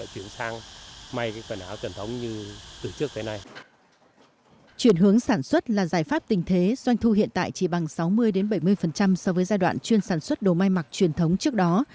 chuyển hướng sản xuất là giải pháp tình thế doanh thu hiện tại chỉ bằng sáu mươi bảy mươi so với giai đoạn chuyên sản xuất đồ may mặc truyền thống trước đó